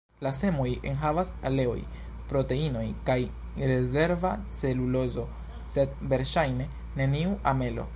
La semoj enhavas oleoj, proteinoj kaj rezerva celulozo, sed verŝajne neniu amelo.